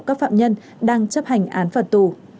các phạm nhân đang chấp hành án phạt tù